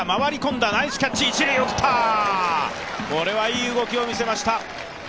これはいい動きを見せました。